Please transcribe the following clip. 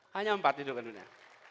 hanya empat di dunia